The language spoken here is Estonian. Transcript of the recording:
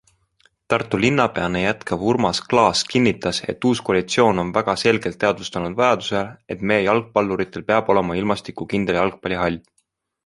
Tartu linnapeana jätkav Urmas Klaas kinnitas, et uus koalitsioon on väga selgelt teadvustanud vajaduse, et meie jalgpalluritel peab olema ilmastikukindel jalgpallihall.